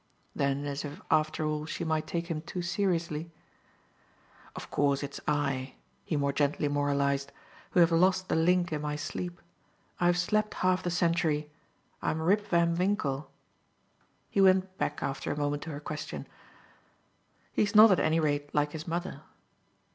Then as if after all she might take him too seriously, "Of course it's I," he more gently moralised, "who have lost the link in my sleep. I've slept half the century I'm Rip Van Winkle." He went back after a moment to her question. "He's not at any rate like his mother."